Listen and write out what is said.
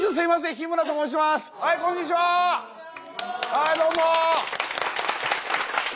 はいどうも！